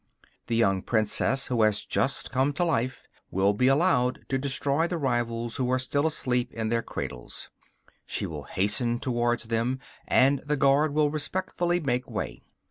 The young princess, who has just come to life, will be allowed to destroy the rivals who are still asleep in their cradles. She will hasten towards them, and the guard will respectfully make way.